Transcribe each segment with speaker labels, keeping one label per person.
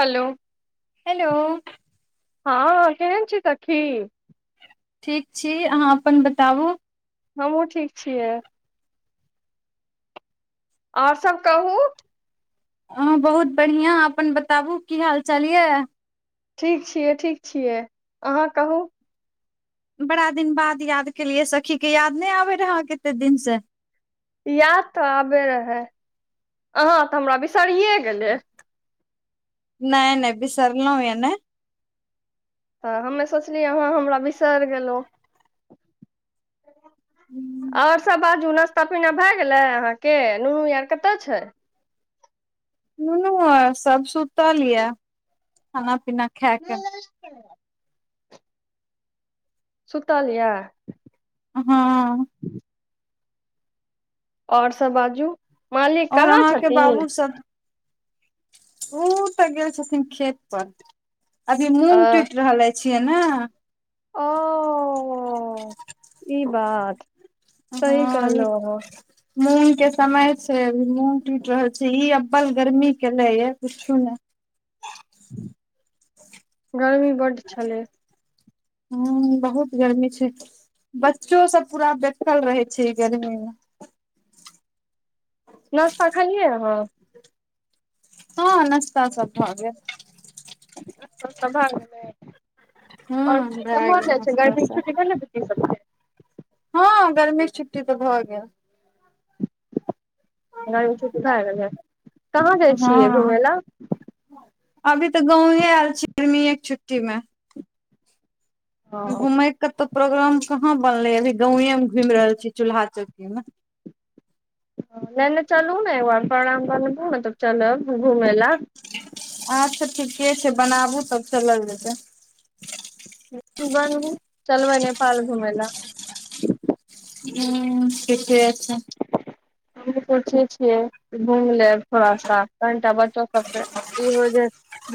Speaker 1: हलो
Speaker 2: hello
Speaker 1: हँ के छी सखी
Speaker 2: ठीक छी अहाँ अपन बताबू
Speaker 1: हमहहुँ ठीक छियै आओर सभ कहू
Speaker 2: अहाँ बहुत बढ़िआं अपन बताबू की हाल चाल यऽ
Speaker 1: ठीक छियै ठीक छियै अहाँ कहू
Speaker 2: बड़ा दिन बाद याद केलियै सखी के याद नइ आबै रएह एते दिन से
Speaker 1: इएाद तऽ आबे रहै अहाँ तऽ हमरा बिसरि गेलै
Speaker 2: नहि नहि बिसरनौ हए नै
Speaker 1: तऽ हममे सोचलियै अहाँ हमरा बिसर गेलहु आओर सब बाजू पत महिना भए गेलै अहाँके नू नूआर कतऽ छै
Speaker 2: नुनू आ सब सुतल यऽ खाना पीना खायक
Speaker 1: [unintelligible] सुतल ये
Speaker 2: हँ
Speaker 1: आओर सब बाजू मालिक
Speaker 2: आओर
Speaker 1: कहाँ
Speaker 2: अहाँके
Speaker 1: छथिन
Speaker 2: बाबू सब ओ तऽ गेल छथिन खेत पर अभी
Speaker 1: अ
Speaker 2: मूंग टूटि रहले छियै ने
Speaker 1: ओ ई बात सही
Speaker 2: हँ इ
Speaker 1: कहलहुँ अहाँ
Speaker 2: मूँग के समय छै मूँग टूटि रहल छै ई अब्बल गर्मी केने ये पुछु ने
Speaker 1: गर्मी बड छलै
Speaker 2: ह बहुत गर्मी छै बच्चो सब पूरा बेकल रहे छै गर्मी मे
Speaker 1: नस्ता खलियए अहाँ
Speaker 2: हँ नास्ता सब भ गेल
Speaker 1: नाश्ता सब भए गेलय आओर
Speaker 2: हूँ भए
Speaker 1: केम्हर
Speaker 2: गेल
Speaker 1: जाय छै
Speaker 2: नाश्ता
Speaker 1: गर्मी
Speaker 2: सब
Speaker 1: छुट्टी भेलय बुच्ची सबके
Speaker 2: हँ गर्मीे छुट्टी तऽ भऽ गेल
Speaker 1: गर्मी छुट्टी भए गेल है कहाँ जाइ छियै
Speaker 2: हँ
Speaker 1: घुमय लऽ
Speaker 2: अभी तऽ गांवये आयल छी गर्मीए के छुट्टी में घूमेय के तो प्रोग्राम कहाँ बनले अभी गांवे मे घुम रहल छी चूल्हा चौकी मे
Speaker 1: लेने चलू ने एक बार प्रणाम करबू ने तब चलब घूमै ला
Speaker 2: अच्छा ठीके छै बनाबू तब चलल जेतै
Speaker 1: बनबू चलबै नेपाल घुमय लए
Speaker 2: हूं ठीके छै
Speaker 1: हमहु पुछै छियै घुम लेब थोड़ा सा कनिटा बच्चो सबके एहो जे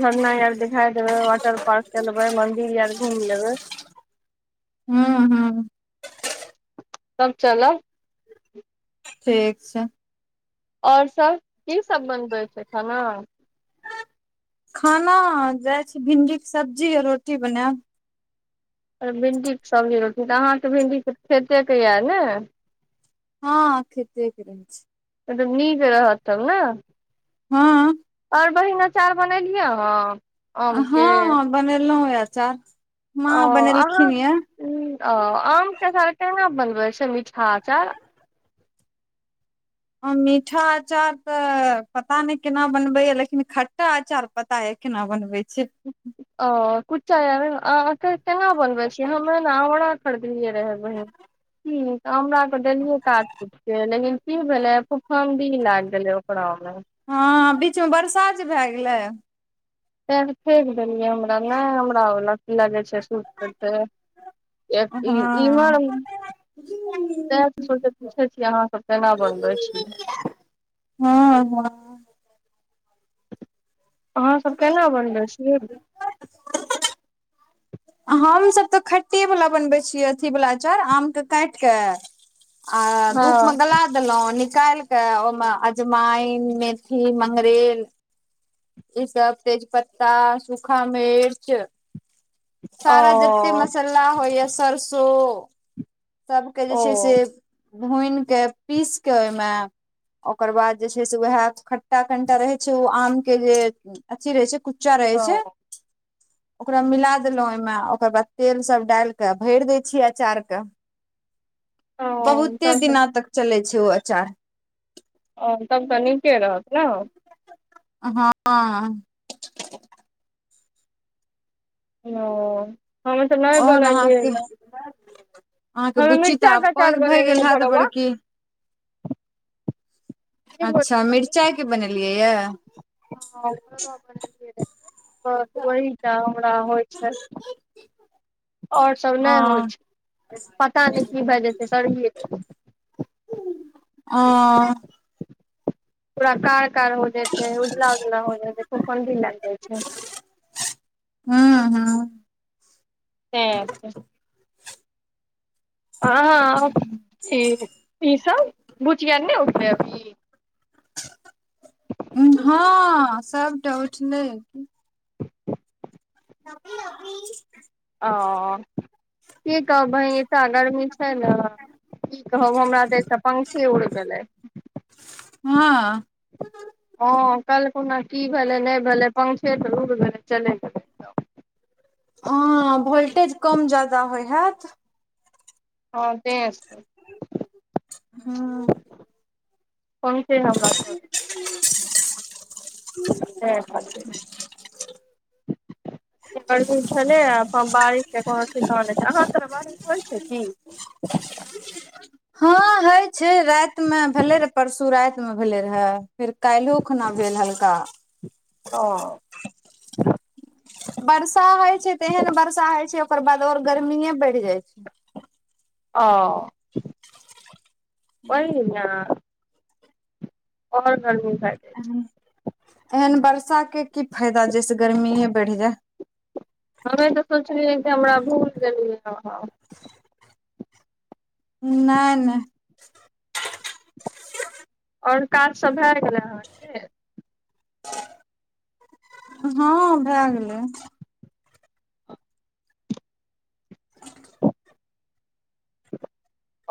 Speaker 1: झरना आर देखाई देबे वाटर पार्क चलबे मंदिर यार घूम लेबे
Speaker 2: हू हू
Speaker 1: तब चलब
Speaker 2: ठीक छै
Speaker 1: आओर सब की सब बनबै छै खाना
Speaker 2: खाना जाइ छी भिंडी के सब्जी आ रोटी बनैब
Speaker 1: भिंडीके सब्जी रोटी तऽ अहाँके भिंडीक तऽ खेतेके यऽ ने
Speaker 2: हँ खेते के रहय छै
Speaker 1: एकदम निक रहत तब नए
Speaker 2: हँ
Speaker 1: आओर बहिन अचार बनेलियै अहाँ आम
Speaker 2: हँ
Speaker 1: के
Speaker 2: बनेलौ यै अचार माँ बनेलखिन यै
Speaker 1: आमके अचार केना बनबै छै मीठा अचार
Speaker 2: मीठा आचार तऽ पता नहि केना बनबे या लेकिन खट्टा आचार पता ये केना बनबै छै
Speaker 1: ह ओ कुछा अ कहाँ बनबै छियै हमे ने आवरा खरीदलियै रहै बहिन हुं हमरा देलियै काट कुट के लेकिन की भेलै फुफन्दी लाग गेलै ओकरौ मे
Speaker 2: हँ बीचमे बरसा जे भैए गेलै
Speaker 1: तै फेक देलियै हमरा नहि हमरा ओ लगै छै सूट कर तै
Speaker 2: हँ हँ
Speaker 1: [unintelligible] सोे पूछै छियै अहाँ सब केना बनबै छियै
Speaker 2: ह ह
Speaker 1: अहाँ सब केना बनबै छी
Speaker 2: हमसभ तऽ खट्टे वाला बनबै छीयै अथी वला अचार आम के कायट कऽ आ
Speaker 1: हँ
Speaker 2: धूप मे गला देलहुॅं निकायल के ओहिमे अजमाइन मेथी मंगरैल ई सब तेज पत्ता सूखा मिर्च
Speaker 1: ओ
Speaker 2: सारा जते मसाला होइया सरसो सभके जे
Speaker 1: ओ
Speaker 2: छैय से भुइन कऽ पीस कऽ ओहिमे ओकर बाद जे छैय से उएह खट्टा कनिटा रहै छैय ओ आम के जे अथी रहै छैय कुच चा रहै
Speaker 1: ओ
Speaker 2: छैय ओकरा मिला देलौ ओहिमे आ ओकर बाद तेल सब डालि क भैर दैय छीयै अचार के।
Speaker 1: ओ
Speaker 2: बहुते
Speaker 1: तब तऽ
Speaker 2: दिना तक चलै छैय ओ अचार।
Speaker 1: ओ तब तऽ नीके रहत न।
Speaker 2: हँ
Speaker 1: ओ हमसभ नहि
Speaker 2: और अहाँके
Speaker 1: बनेलियैया।
Speaker 2: अहाँके बुच्ची तऽ
Speaker 1: के
Speaker 2: आब पैघ
Speaker 1: अचार
Speaker 2: भए
Speaker 1: बनेलियै
Speaker 2: गेल हैत
Speaker 1: भरुआ
Speaker 2: बड़की?
Speaker 1: की
Speaker 2: अच्छा
Speaker 1: बोललियै बहिन
Speaker 2: मिरचाइ के बनेलियै यऽ?
Speaker 1: [unintelligible] बस ओहीटा हमरा होइ छैल। और सभ नहि होइ
Speaker 2: अ
Speaker 1: छैय पता नहि की भैए जेतै [unintelligible]
Speaker 2: अं
Speaker 1: पूरा कार कार हो जाइ छैय उजला उजला हो जाइ छैय फुफुंदी लागि जाइ छैय।
Speaker 2: हूँ हूँ
Speaker 1: तऽ [unintelligible] ई सब भुचिया नहि उठलै अभी?
Speaker 2: हाँ सबटा उठलै। [unintelligible]
Speaker 1: अ की कहब बहीन एतऽ गरमी छैय ने की कहब हमरा तटा पंखी उड़ि गेलै।
Speaker 2: हँ
Speaker 1: हँ कल्हिखुना की भेलै नहि भेलै पंखे तऽ रुकि गेलै चली गेलै।
Speaker 2: हां भोल्टेज कम ज्यादा होयत हैत।
Speaker 1: हँ [unintelligible]
Speaker 2: हूँ
Speaker 1: फंखे हमरा [unintelligible]
Speaker 2: [unintelligible]
Speaker 1: [unintelligible] गरमी छलैया बारिश के कोनो ठिकान अहाँ ओत बारिश होइ छैय की?
Speaker 2: [unintelligible] हँ होय छैय रातिमे भेलै रहे परसू रातिमे भेलै रहे। फेर काल्हि खुना भेल हल्का।
Speaker 1: ओ
Speaker 2: वर्षा होइ छैय तऽ एहन बर्षा होइ छैय ओकर बाद और गर्मीेए बैढ़ जाइ छैय।
Speaker 1: ओ वही ना। आओर गर्मी [unintelligible]
Speaker 2: एहन वर्षा के की फायदा जैसे गर्मीेये बढ़ि जाय।
Speaker 1: [unintelligible]
Speaker 2: नहि नहि
Speaker 1: आओर काज सब भए गेलै हन?
Speaker 2: हँ भए गेलै।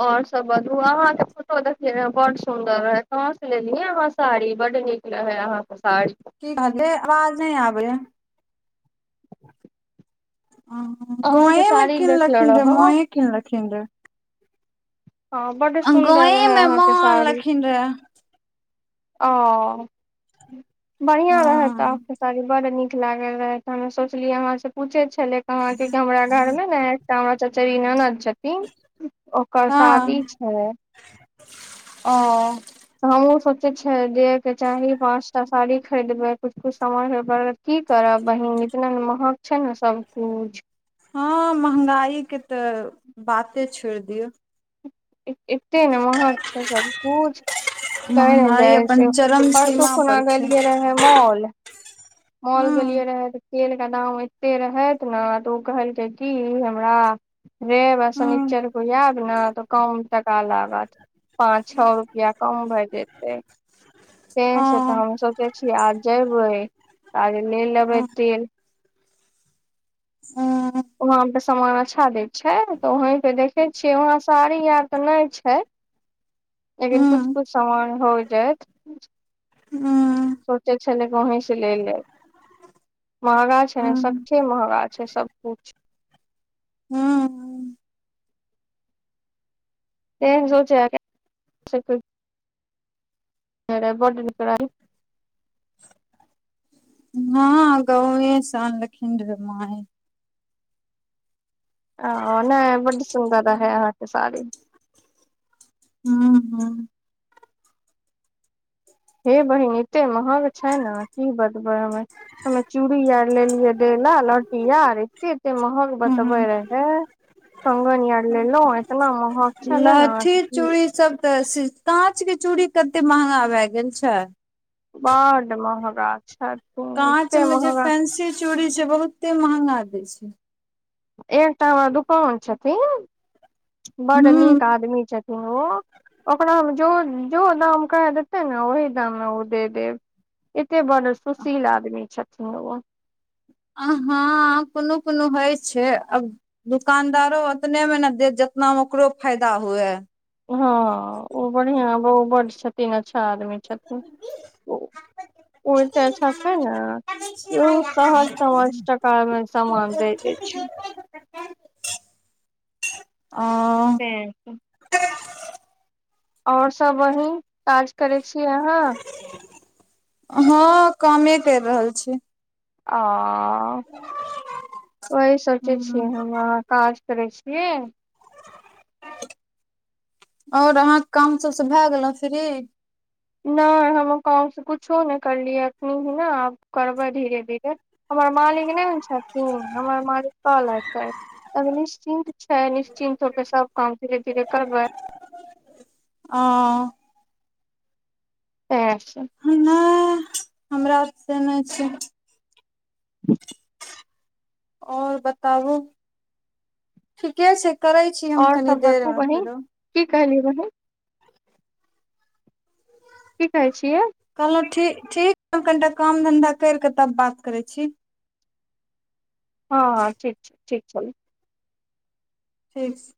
Speaker 1: और सब बाजू अहां के फोटो देखले रहव बड सुंदर रहे कहां से लेलीयै अहा साड़ी बड नीक रहै अहाँके सारी।
Speaker 2: कि कहलियै आवाज नहि आबैया।
Speaker 1: अहाँ के
Speaker 2: गांवमे
Speaker 1: साड़ी देखले
Speaker 2: किनलखिन र
Speaker 1: रहौ
Speaker 2: मांये किनलखिन रहै।
Speaker 1: हँ बड सुंदर
Speaker 2: गांव
Speaker 1: रहे
Speaker 2: मे
Speaker 1: अहाँके
Speaker 2: मां
Speaker 1: साड़ी
Speaker 2: अनलखिन रहै
Speaker 1: ओ [unintelligible] बढ़ियां रहत
Speaker 2: हँ
Speaker 1: अहाँके साड़ी बड़ नीक लागल रहे हमे सोचलियै अहा से पूछे छले कहाँ के कि हमरा घर मे एकटा हमर चचेरी ननद छथिन ओकर
Speaker 2: हँ
Speaker 1: शादी छै
Speaker 2: [unintelligible] ओ
Speaker 1: ह उसब छै दिए के क चाही पाँच टा साड़ी खरीदबै कछु कुछ सामानके की करब बहिन इतना ने महग छै ने सबकुछ
Speaker 2: हँ महंगाई के तऽ बाते छोड़ दिऔ
Speaker 1: एते ने महक छै सब कुछ तै ने
Speaker 2: महंगाई
Speaker 1: जाइ
Speaker 2: अपन
Speaker 1: छि
Speaker 2: चरम
Speaker 1: परसू
Speaker 2: सीमा
Speaker 1: खुना
Speaker 2: पर छै
Speaker 1: गेलिए रहे मॉल मॉल गेलियै
Speaker 2: हूँ
Speaker 1: रहए तऽ तेलके दाम ऐतेक रहैथ ने तऽ ओ कहलकै की हमरा रेब आ
Speaker 2: हूँ
Speaker 1: शनिचर क ऐब तऽ कम टका ला पाँच छः रूपया कम भैए जेतै सेे
Speaker 2: ओ
Speaker 1: सतह हम सोचै छिए आज जेबै आज ले लेबै
Speaker 2: हूँ
Speaker 1: तेल
Speaker 2: [inaudible]
Speaker 1: वहां पे सामान अच्छा देय छै तऽ वही पे देखे छिए वहाँ साड़ी आर ते नहि छै लेकिन कुछ
Speaker 2: हूँ
Speaker 1: कुछ समान हो जाइत [unintelligible] सोचे छले गांव से ले लेब महंगा छै ने
Speaker 2: हूँ
Speaker 1: सकठे महंगा छै सब कछु
Speaker 2: [inaudible]
Speaker 1: [inaudible]
Speaker 2: ना गांव से अनलखिन रहे मां ऐ
Speaker 1: आ नहि बड सुन्दर रहे अहाँके साड़ी
Speaker 2: [inaudible]
Speaker 1: हे बहिन एते महग छै ने की बढ़बै हमें चूड़ी आर लेलियै दै ल लहठी आर एते एते महग
Speaker 2: हूँ
Speaker 1: बतबे रहे कंगन अर लेलो एतना महग छले ने
Speaker 2: लहठी
Speaker 1: कि
Speaker 2: चूड़ी सब तऽ काँच के चूड़ी कते महंगा भए गेल छै
Speaker 1: बड महगा छै
Speaker 2: काँच में जे फेंसी चूड़ी छै बहुते महंगा देय छै
Speaker 1: एकटा हमरा दुकान छथिन [unintelligible] बड नीक
Speaker 2: हूँ
Speaker 1: आदमी छथिन हो ओकरमे जो जो दाम कह देतै ने ओहि दाममे ओ दऽ देब ऐत बड़ सुशील आदमी छथिन ओ
Speaker 2: आ हँ कोनो कोनो होइ छै आब दुकानदारो ओतने मे ने देत जतनामे ओकरो फायदा हुए
Speaker 1: हँ ओ बढ़िआँ व बड छथिन अच्छा आदमी छथिन ओ ऐते अच्छा छै ने [unintelligible] टका मे सामान दे देय छै
Speaker 2: [inaudible]
Speaker 1: ' [inaudible] और सब बहिन काज करै छी अहाँ
Speaker 2: [unintelligible] हँ कमे कर रहल छी
Speaker 1: आ [unintelligible] वही सोचै छियै हम अहां काज करे छियै
Speaker 2: और अहाँ क काम सबस भए गेलहु फ्री
Speaker 1: नहि हम काम स कुछो नहि करलियै एखन ने आब करबै धीरे धीरे हमर मालिक नहि छथिन हमर मालिक कल अतै तब निश्चिन्त छै निश्चिन्त हो के सब काम धीरे धीरे करबै
Speaker 2: [inaudible]
Speaker 1: ओ है सब
Speaker 2: नहि हमरा से नहि छै
Speaker 1: बस [unintelligible]
Speaker 2: आओर बताबु? ठीके छै करैत छी हम
Speaker 1: और
Speaker 2: कनि
Speaker 1: सब बतबू
Speaker 2: देरमे
Speaker 1: बहिन
Speaker 2: फेरो
Speaker 1: की कहलियै बहिन? की कहै छियै?
Speaker 2: कहलहुँ ठीक, ठीक छी हम कनिटा काम-धंधा करि कऽ तब बात करै छी।
Speaker 1: हँ हँ, ठीक छै ठीक छै।
Speaker 2: ठीक छै।